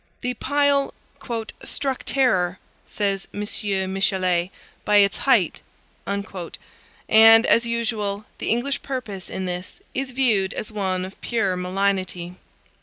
The pile "struck terror," says M. Michelet, "by its height;" and, as usual, the English purpose in this is viewed as one of pure malignity.